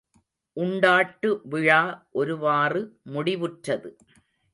உண்டாட்டு விழா ஒருவாறு முடிவுற்றது.